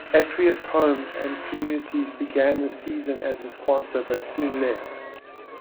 Atreus Homes and Communities began the season as the sponsor, but soon left.